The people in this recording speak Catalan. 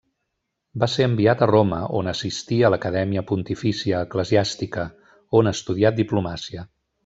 Va ser enviat a Roma, on assistí a l'Acadèmia Pontifícia Eclesiàstica, on estudià diplomàcia.